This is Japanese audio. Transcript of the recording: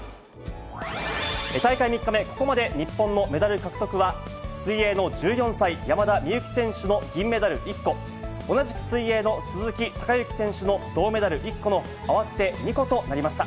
大会３日目、ここまで日本のメダル獲得は、水泳の１４歳、山田美幸選手の銀メダル１個、同じく水泳の鈴木孝幸選手の銅メダル１個の合わせて２個となりました。